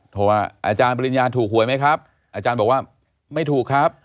โทรว่าอาจารย์ปริญญาถูกหวยไหมครับอาจารย์บอกว่าไม่ถูกครับ